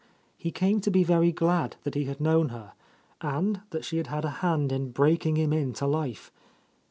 He came to be very glad that he had known her, and that she had had a hand in breaking him in to life.